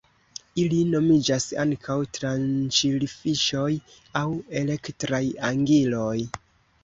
Ili nomiĝas ankaŭ tranĉilfiŝoj aŭ elektraj angiloj.